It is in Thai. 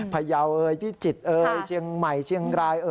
พระเยาะพิจิตรเชียงใหม่เชียงราย